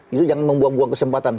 itu jangan membuang buang kesempatan